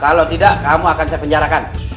kalau tidak kamu akan saya penjarakan